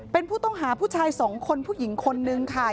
เป็นผู้ต้องหาผู้ชาย๒คนผู้หญิง๑ค่ะ